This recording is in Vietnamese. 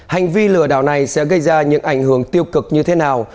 hành vi lừa đảo này sẽ gây ra những ảnh hưởng tiêu cực như thế nào